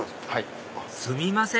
すみません